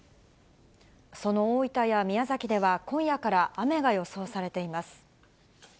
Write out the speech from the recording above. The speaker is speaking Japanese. その大分や宮崎では、今夜から雨が予想されています。